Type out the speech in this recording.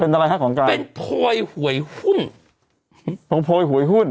อะไรฮะของการเป็นโพยหวยหุ้นของโพยหวยหุ้น